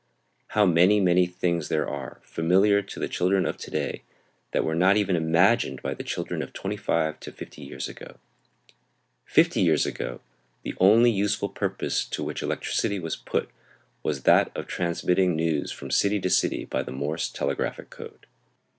How many, many things there are, familiar to the children of to day, that were not even imagined by the children of twenty five to fifty years ago. Fifty years ago the only useful purpose to which electricity was put was that of transmitting news from city to city by the Morse telegraphic code.